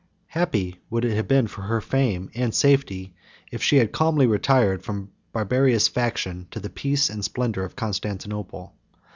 Happy would it have been for her fame and safety, if she had calmly retired from barbarous faction to the peace and splendor of Constantinople.